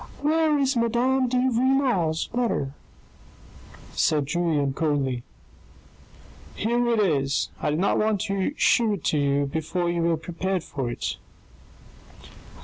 "Where is Madame de Renal's letter? " said Julien coldly. " Here it is. I did not want to shew it to you before you were prepared for it."